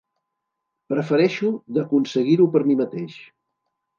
Prefereixo d'aconseguir-ho per mi mateix.